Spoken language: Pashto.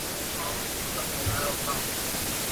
له اسیا څخه اروپا ته.